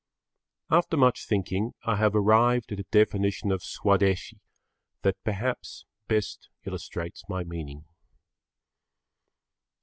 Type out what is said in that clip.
After much thinking I have arrived at a definition of Swadeshi that, perhaps, best illustrates my meaning.